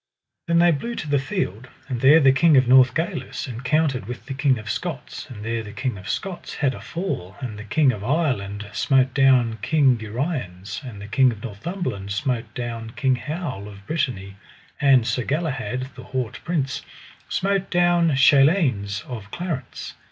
Then they blew to the field; and there the King of Northgalis encountered with the King of Scots, and there the King of Scots had a fall; and the King of Ireland smote down King Uriens; and the King of Northumberland smote down King Howel of Brittany; and Sir Galahad, the haut prince, smote down Chaleins of Clarance.